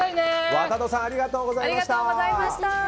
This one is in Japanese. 渡戸さんありがとうございました！